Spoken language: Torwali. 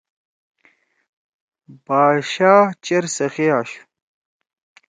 بادشاہ چیر سخی آشُو۔